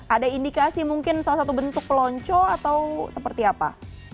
ada indikasi mungkin salah satu bentuk pelonco atau seperti apa